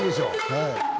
はい。